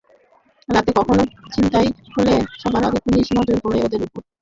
রাতে কোনো ছিনতাই হলে সবার আগে পুলিশের নজর পড়ে এদের ওপর।